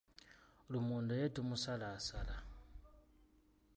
Lumonde ye tumusalaasala.